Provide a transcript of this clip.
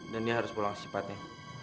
dan dia harus pulang secepatnya